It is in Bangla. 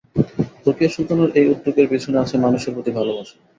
রোকেয়া সুলতানার এই উদ্যোগের পেছনে আছে মানুষের প্রতি ভালোবাসা।